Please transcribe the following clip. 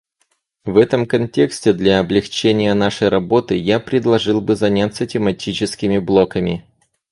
В этом контексте для облегчения нашей работы я предложил бы заняться тематическими блоками.